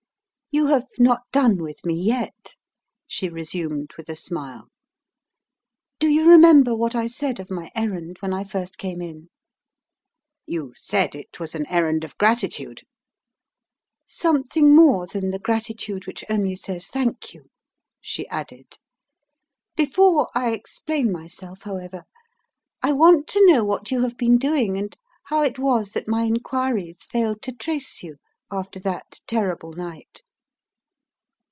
"You have not done with me yet," she resumed, with a smile. "Do you remember what I said of my errand when I first came in?" "You said it was an errand of gratitude." "Something more than the gratitude which only says 'thank you,'" she added. "Before I explain myself, however, I want to know what you have been doing, and how it was that my inquiries failed to trace you after that terrible night."